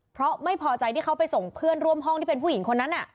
เพราะไม่พอใจที่เขาไปส่งเพื่อนร่วมห้องที่เป็นผู้หญิงคนนั้น